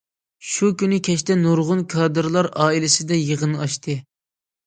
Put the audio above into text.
شۇ كۈنى كەچتە نۇرغۇن كادىرلار ئائىلىسىدە يىغىن ئاچتى.